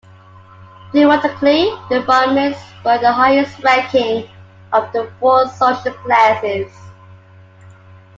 Theoretically, the Brahmins were the highest ranking of the four social classes.